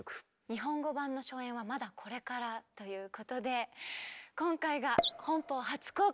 日本語版の初演はまだこれからということで今回が本邦初公開です。